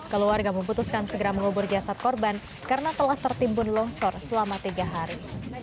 keluarga memutuskan segera mengubur jasad korban karena telah tertimbun longsor selama tiga hari